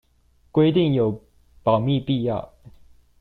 規定有保密必要